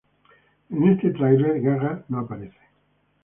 En este trailer, Gaga no aparece.